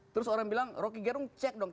terus orang bilang rocky gerung cek dong